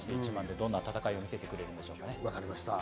どんな戦いを見せてくれるんでしょうか。